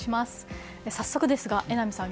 早速ですが榎並さん